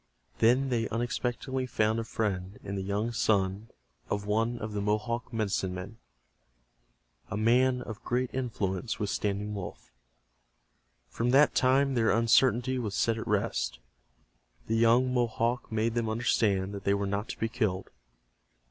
Then they unexpectedly found a friend in the young son of one of the Mohawk medicine men, a man of great influence with Standing Wolf. From that time their uncertainty was set at rest. The young Mohawk made them understand that they were not to be killed.